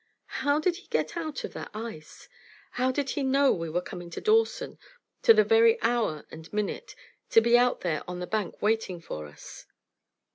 Now how did he get out of that ice? How did he know we were coming to Dawson, to the very hour and minute, to be out there on the bank waiting for us?